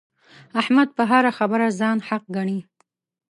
احمد په هره خبره ځان حق ګڼي.